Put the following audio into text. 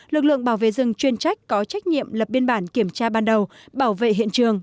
lực lượng bảo vệ rừng chuyên trách có trách nhiệm lập biên bản kiểm tra ban đầu bảo vệ hiện trường